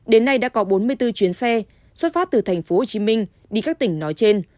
đến nay đã có bốn mươi bốn chuyến xe xuất phát từ tp hcm đi các tỉnh nói trên